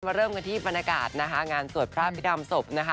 มาเริ่มกันที่บรรณากาศงานสวดพระพิดามศพ